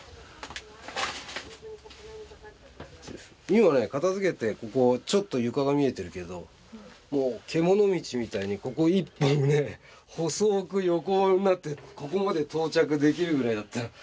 今ね片づけてここちょっと床が見えてるけどもう獣道みたいにここ一本ね細く横になってここまで到着できるぐらいだった。